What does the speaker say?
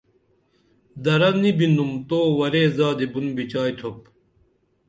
درہ نی بِنُم تو ورے زادی بُن بِچائی تُھوپ